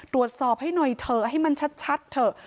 ตรวจสอบให้หน่อยเถอะให้มันชัดเถอะ